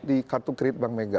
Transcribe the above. di kartu kredit bank mega